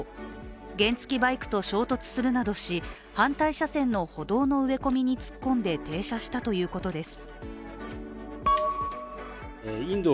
原付バイクと衝突するなどし反対車線の歩道の植え込みに突っ込んで停車したということです。